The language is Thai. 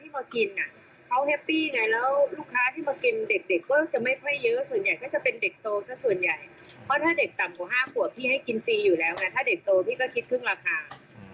ว่าข้าวแกงบูฟเฟ่๕๙บาทพระเจ้ามือหนังสาย๑ของเราว่ามีหลากหลายจริงไหม